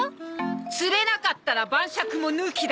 釣れなかったら晩酌も抜きだからね！